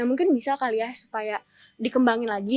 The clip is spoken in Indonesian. mungkin bisa kali ya supaya dikembangin lagi